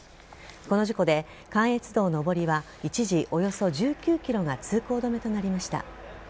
この事故で関越道上りは一時、およそ１９ｋｍが通行止めとなりました。